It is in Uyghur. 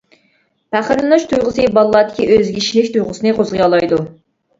پەخىرلىنىش تۇيغۇسى بالىلاردىكى ئۆزىگە ئىشىنىش تۇيغۇسىنى قوزغىيالايدۇ.